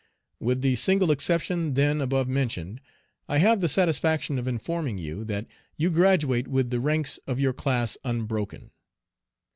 With the single exception, then, above mentioned, I have the satisfaction of informing you that you graduate with the ranks of your class unbroken.